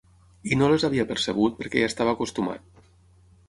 I no les havia percebut perquè hi estava acostumat.